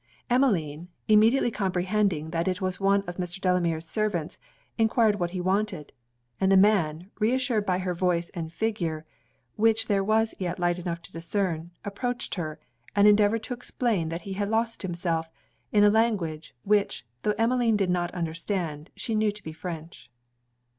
Emmeline, immediately comprehending that it was one of Mr. Delamere's servants, enquired what he wanted; and the man, reassured by her voice and figure, which there was yet light enough to discern, approached her, and endeavoured to explain that he had lost himself; in a language, which, though Emmeline did not understand, she knew to be French.